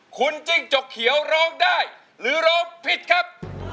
คุณจิ้งจกเขียวร้องได้หรือร้องผิดครับ